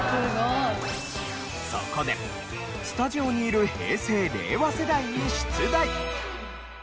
そこでスタジオにいる平成令和世代に出題。